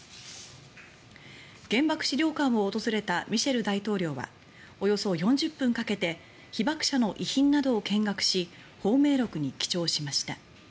原爆資料館を訪れたミシェル大統領はおよそ４０分かけて被爆者の遺品などを見学し芳名録に記帳しました。